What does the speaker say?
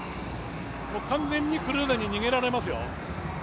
完全にクルーザーに逃げられますよ。